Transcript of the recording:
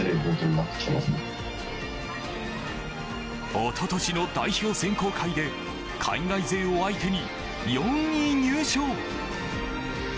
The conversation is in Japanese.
一昨年の代表選考会で海外勢を相手に４位入賞。